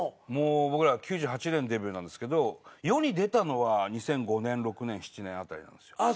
僕ら９８年デビューなんですけど世に出たのは２００５年２００６年２００７年辺りなんですよ。